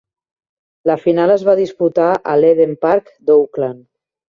La final es va disputar a l'Eden Park d'Auckland.